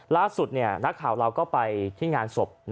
ล่าสุดนักข่าวเราก็ไปที่งานศพ